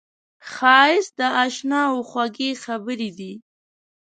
ښایست د اشناوو خوږې خبرې دي